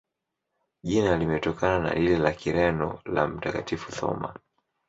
Jina limetokana na lile la Kireno la Mtakatifu Thoma.